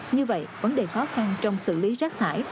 như vậy vấn đề khó khăn trong xử lý rác thải